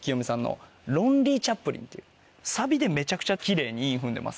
サビでめちゃくちゃキレイに韻踏んでます。